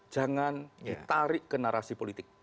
jangan ditarik ke narasi politik